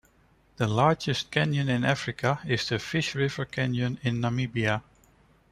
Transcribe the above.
The largest canyon in Africa is the Fish River Canyon in Namibia.